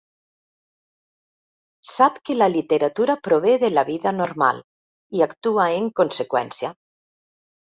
Sap que la literatura prové de la vida normal i actua en conseqüència.